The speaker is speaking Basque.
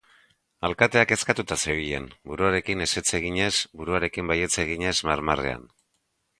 Alkatea kezkatuta zebilen, buruarekin ezetz eginez, buruarekin baietz eginez, marmarrean.